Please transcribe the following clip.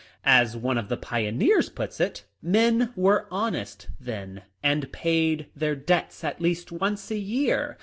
As one of the pioneers puts it, " Men were honest then, and paid their debts at least once a year.